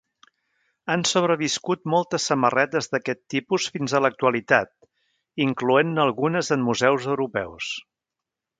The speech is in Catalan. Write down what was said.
Han sobreviscut moltes samarretes d'aquest tipus fins a l'actualitat, incloent-ne algunes en museus europeus.